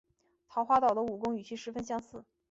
桃花岛的武功与其十分相似。